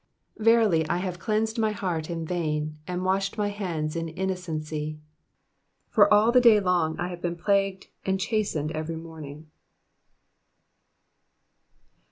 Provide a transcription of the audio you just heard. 13 Verily I have cleansed my heart /Vi vain, and washed my hands in innocency. 14 For all the day long have I been plagued, and chastened every morning.